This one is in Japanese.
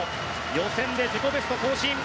予選で自己ベスト更新。